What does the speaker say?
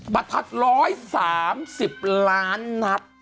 ปรับศาสตร์๓๓๐ล้านนับ